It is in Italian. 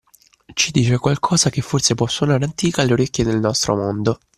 Ci dice qualcosa che forse può suonare antica alle orecchie del nostro mondo